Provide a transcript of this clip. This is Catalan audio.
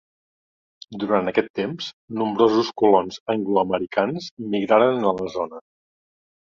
Durant aquest temps, nombrosos colons angloamericans migraren a la zona.